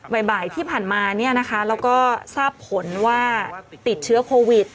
หลายบ่ายที่ผ่านมาแล้วก็ทราบผลว่าติดเชื้อโควิด